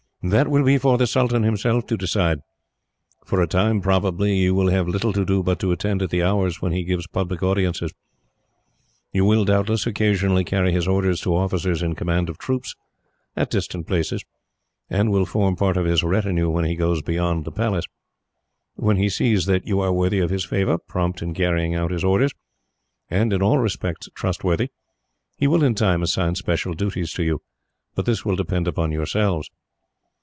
"That will be for the sultan himself to decide. For a time, probably, you will have little to do but to attend at the hours when he gives public audiences. You will, doubtless, occasionally carry his orders to officers in command of troops, at distant places, and will form part of his retinue when he goes beyond the Palace. When he sees that you are worthy of his favour, prompt in carrying out his orders, and in all respects trustworthy, he will in time assign special duties to you; but this will depend upon yourselves.